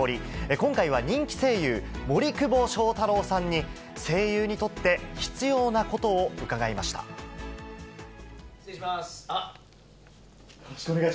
今回は人気声優、森久保祥太郎さんに、声優にとって必要なことを伺いました。